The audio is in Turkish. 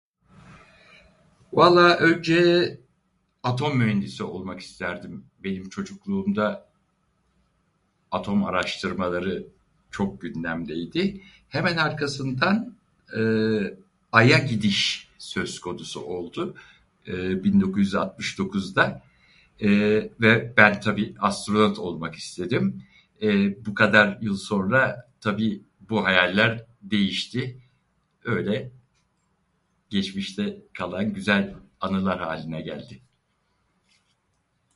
Vallaha önce, atom mühendisi olmak isterdim. Benim çocukluğumda atom araştırmaları çok gündemdeydi. Hemen arkasından ee, aya gidiş söz konusu oldu ee, 1969'da, eee ve ben tabi astronot olmak istedim, ee bu kadar yıl sonra tabii bu hayeller değişti, öyle, geçmişte kalan güzel anılar haline geldi.